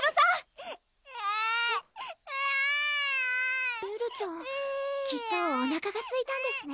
ふえふえエルちゃんきっとおなかがすいたんですね